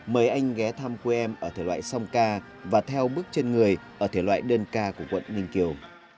mời anh ghé thăm quê em ở thể loại song ca và theo bước chân người ở thể loại đơn ca của quận ninh kiều